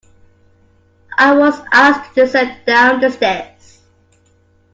I was asked to descend down the stairs.